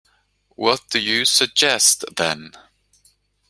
What do you suggest, then?